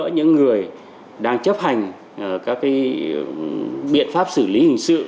giúp đỡ những người đang chấp hành các biện pháp xử lý hình sự